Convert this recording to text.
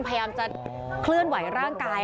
พยายามจะเคลื่อนไหวร่างกาย